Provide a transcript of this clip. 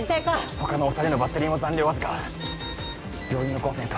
他のお二人のバッテリーも残量わずか病院のコンセント